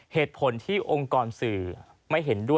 เหตุผลที่องค์กรสื่อไม่เห็นด้วย